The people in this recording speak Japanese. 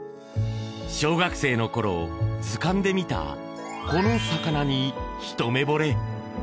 小学生のころ図鑑で見たこの魚にひと目惚れ。